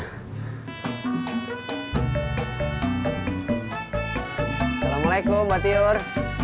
assalamualaikum mbak tiur